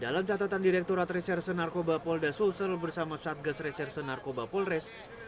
dalam catatan direkturat reserse narkoba polda sulsel bersama satgas reserse narkoba polres